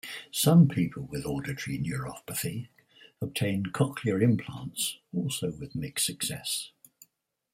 Some people with auditory neuropathy obtain cochlear implants, also with mixed success.